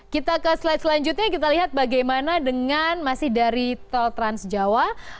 kita ke slide selanjutnya kita lihat bagaimana dengan masih dari tol trans jawa